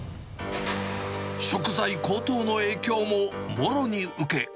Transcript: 食材高騰の影響ももろに受け。